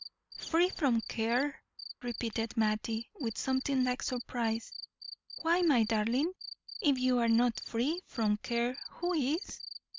"Free from care!" repeated Mattie, with something like surprise. "Why, my darling, if you are not free from care, who is?"